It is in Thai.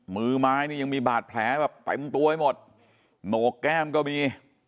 มือไม้นี่ยังมีบาดแผลแบบเต็มตัวไปหมดโหนกแก้มก็มี